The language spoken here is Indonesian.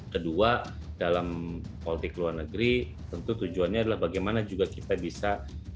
kedua dalam politik luar negeri tentu tujuannya adalah bagaimana juga kita bisa